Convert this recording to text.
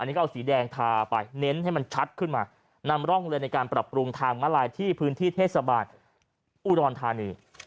นี่ก็เอาสีแดงทาไปเน้นให้มันชัดขึ้นมานำร่องเรือในการปรับปรุงทางมาลายที่พื้นที่เทศบาลอุดรธานี